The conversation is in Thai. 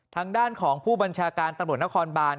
ทางด้านของผู้บัญชาการตำรวจนครบาน